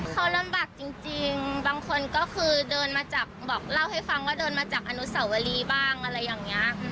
เขาลำบากจริงบางคนก็คือเดินมาจากบอกเล่าให้ฟังว่าเดินมาจากอนุสาวรีบ้างอะไรอย่างนี้